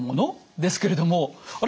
ですけれどもあれ？